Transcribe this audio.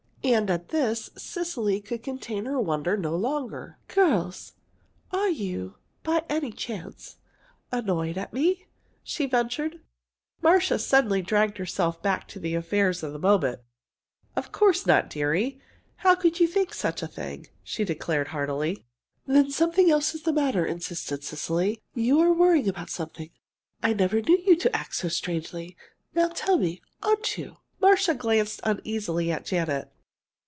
And at this, Cecily could contain her wonder no longer. "Girls, are you, by any chance annoyed at me?" she ventured. Marcia suddenly dragged herself back to the affairs of the moment. "Of course not, deary. How could you think such a thing?" she declared heartily. "Then something else is the matter," insisted Cecily. "You are worrying about something. I never knew you to act so strangely. Now tell me, aren't you?" Marcia glanced uneasily at Janet.